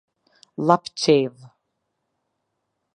Llapçevë